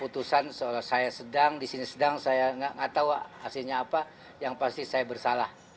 dan seolah saya sedang di sini sedang saya tidak tahu hasilnya apa yang pasti saya bersalah